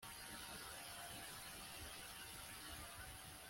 Numubiri we nta guhungabana nagato